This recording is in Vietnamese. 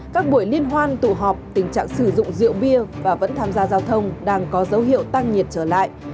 các buổi liên hoan tụ họp tình trạng sử dụng rượu bia và vẫn tham gia giao thông đang có dấu hiệu tăng nhiệt trở lại